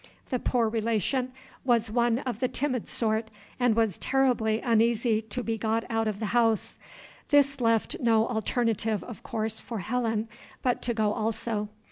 The poor relation was one of the timid sort, and was terribly uneasy to be got out of the house. This left no alternative, of course, for Helen, but to go also.